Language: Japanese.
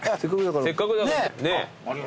せっかくだから。